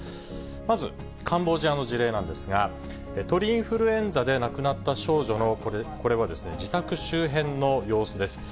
まずカンボジアの事例なんですが、鳥インフルエンザで亡くなった少女の、これは自宅周辺の様子です。